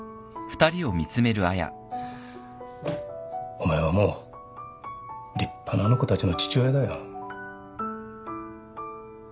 お前はもう立派なあの子たちの父親だよ。